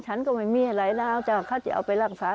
ฉันก็ไม่มีอะไรแล้วเขาจะเอาไปรักษา